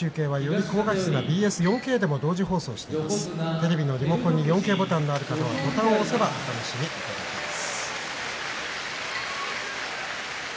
テレビのリモコンに４Ｋボタンがある方はボタンを押せば４Ｋでお楽しみいただけます。